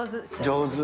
上手。